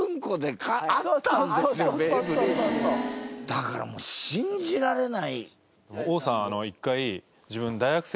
だからもう信じられない！